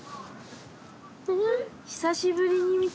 久しぶりに見た。